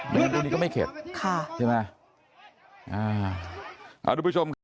อย่างนี้ก็ไม่เข็ดใช่ไหม